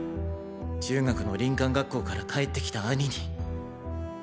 中学の林間学校から帰ってきた兄に。